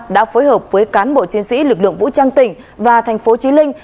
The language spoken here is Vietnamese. đã phối hợp với cán bộ chiến sĩ lực lượng vũ trang tỉnh và tp chí linh